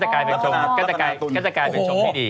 ก็จะกลายเป็นชงไม่ดี